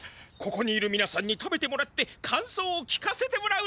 ここにいるみなさんに食べてもらって感想を聞かせてもらうのはどうでしょう？